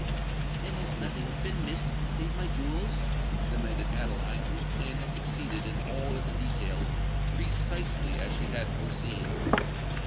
"And has nothing been missed save my jewels?" demanded Adeline, whose plan had succeeded in all its details precisely as she had foreseen.